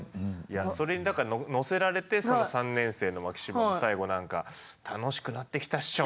それにだからのせられて３年生の巻島も最後何か「楽しくなってきたっショ！」